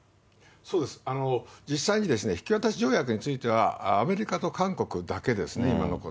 そうです、実際に引き渡し条約については、アメリカと韓国だけですね、今のところ。